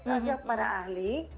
ajak para ahli